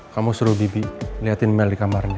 kamu suruh bibi niatin mel di kamarnya